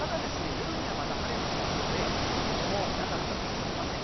夜にはまた晴れてきますので降っても長くは続きません